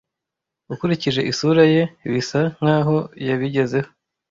Ukurikije isura ye, bisa nkaho yabigezeho.